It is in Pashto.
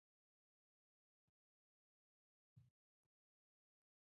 فکر د ژبې له لارې ژوندی پاتې کېږي.